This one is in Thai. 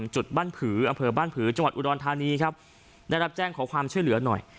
จุดบ้านผืออำเภอบ้านผือจังหวัดอุดรธานีครับได้รับแจ้งขอความช่วยเหลือหน่อย